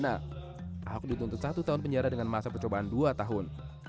ahok dituntut satu tahun penjara dengan masa percobaan dua tahun